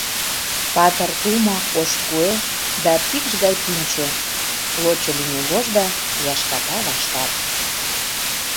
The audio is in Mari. Патыр тумо, ош куэ Да пикш гай пӱнчӧ, Лочо лӱмегож да Яшката ваштар…